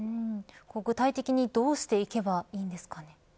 具体的にどうしていけばいいんですかね。